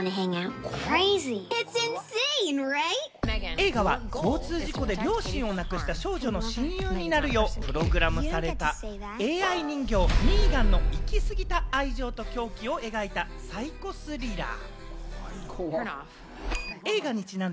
映画は交通事故で両親を亡くした少女の親友になるようプログラムされたＡＩ人形・Ｍ３ＧＡＮの行き過ぎた愛情と狂気を描いた、サイコスリラー。